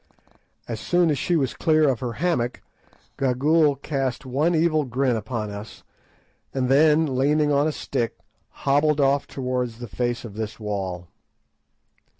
As soon as she was clear of her hammock, Gagool cast one evil grin upon us, and then, leaning on a stick, hobbled off towards the face of this wall.